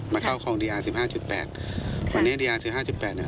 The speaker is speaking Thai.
เข้าคลองดีอาร์สิบห้าจุดแปดวันนี้ดีอาร์สิบห้าจุดแปดเนี้ย